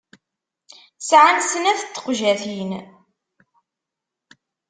Sɛan snat n teqjatin.